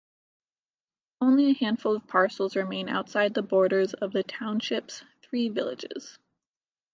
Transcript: Only a handful of parcels remain outside the borders of the township's three villages.